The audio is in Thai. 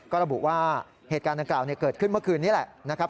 ก็ระบุว่าเหตุการณ์ดังกล่าวเกิดขึ้นเมื่อคืนนี้แหละนะครับ